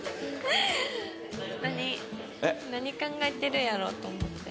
何何考えてるんやろと思って。